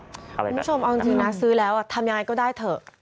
คุณผู้ชมเอาจริงนะซื้อแล้วทำยังไงก็ได้เถอะ